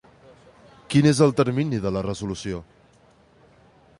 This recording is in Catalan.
Quin és el termini de la resolució?